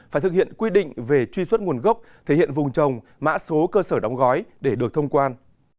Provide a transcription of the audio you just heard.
phải thực hiện quy định về truy xuất nguồn gốc thể hiện vùng trồng mã số cơ sở đóng gói để được thông quan